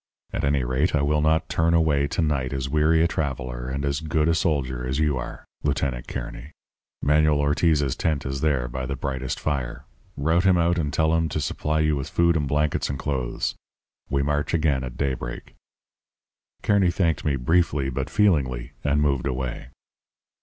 At any rate, I will not turn away to night as weary a traveller and as good a soldier as you are, Lieutenant Kearny. Manuel Ortiz's tent is there by the brightest fire. Rout him out and tell him to supply you with food and blankets and clothes. We march again at daybreak.' "Kearny thanked me briefly but feelingly and moved away.